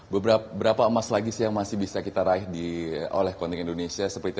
beberapa emas lagi sih yang masih bisa kita raih oleh kontingen indonesia